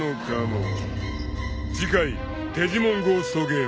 ［次回『デジモンゴーストゲーム』］